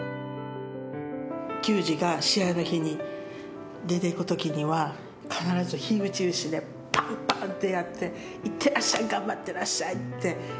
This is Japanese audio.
球児が試合の日に出ていく時には必ず火打ち石でパンパンってやって行ってらっしゃい頑張ってらっしゃいってやってましたね。